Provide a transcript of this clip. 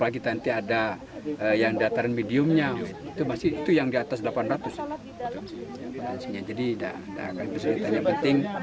jadi tidak akan kesulitan yang penting